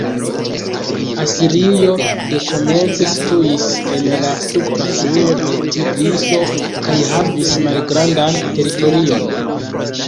Asirio dekomence situis en la supra fluo de Tigriso kaj havis malgrandan teritorion.